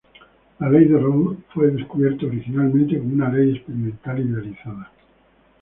La ley de Raoult fue descubierta originalmente como una ley experimental idealizada.